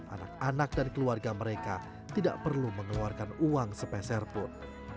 anak anak dan keluarga mereka tidak perlu mengeluarkan uang sepeserpun